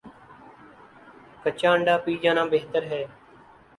کچا انڈہ پی جانا بہتر ہے